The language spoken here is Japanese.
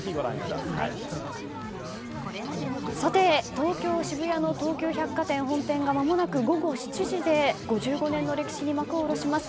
さて、東京・渋谷の東急百貨店本店がまもなく午後７時で５５年の歴史に幕を下ろします。